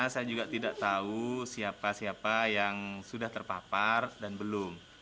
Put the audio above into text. saya juga tidak tahu siapa siapa yang sudah terpapar dan belum